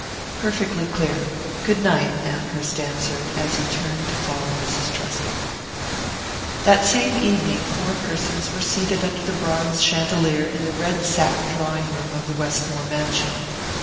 "Perfectly clear. Goodnight," Amherst answered, as he turned to follow Mrs. Truscomb. That same evening, four persons were seated under the bronze chandelier in the red satin drawing room of the Westmore mansion.